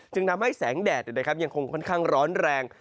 ทำให้แสงแดดยังคงค่อนข้างร้อนแรง